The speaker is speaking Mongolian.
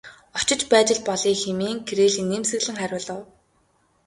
Очиж байж л болъё хэмээн Кирилл инээмсэглэн хариулав.